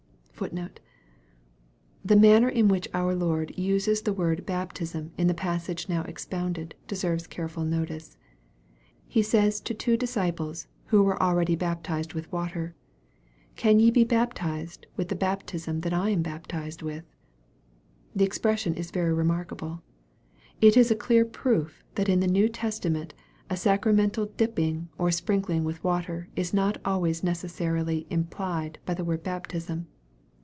The manner in which our Lord uses the word baptism in the passage now expounded, deserves careful notice. He says to two disciples, who were already baptized with water, " Can ye be bap tized with the baptism that I am baptized with ?" The expression is very remarkable. It is a clear proof that in the New Testament a sacramental dipping or sprinkling with water is not always neces sarily implied by the word baptism.